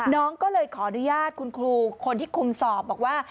น้องก็เลยขออนุญาตคุณครูคนที่คุมสอบบอกว่า